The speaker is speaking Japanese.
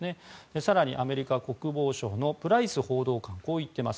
更に、アメリカ国務省のプライス報道官はこう言っています。